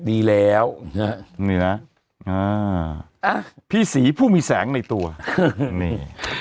ดีแล้วฮะนี่นะอ่าอ่ะพี่ศรีผู้มีแสงในตัวนี่